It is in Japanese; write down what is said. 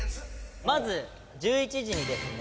まず１１時にですね